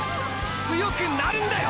強くなるんだよ！！